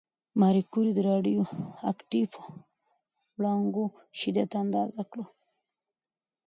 ماري کوري د راډیواکټیف وړانګو شدت اندازه کړ.